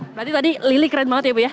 berarti tadi lili keren banget ya bu ya